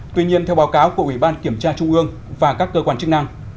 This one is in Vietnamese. tuy nhiên theo báo cáo của ủy ban kiểm tra trung ương và các cơ quan chức năng